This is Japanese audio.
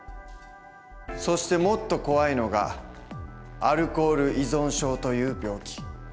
そしてもっと怖いのがアルコール依存症という病気。